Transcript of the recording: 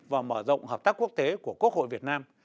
và mở rộng hợp tác quốc tế của quốc hội việt nam